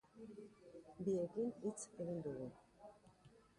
Biekin hitz egin dugu.